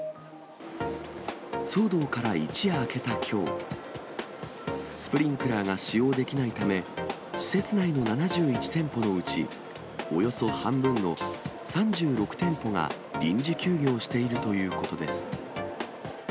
騒動から一夜明けたきょう、スプリンクラーが使用できないため、施設内の７１店舗のうち、およそ半分の３６店舗が臨時休業しているということです。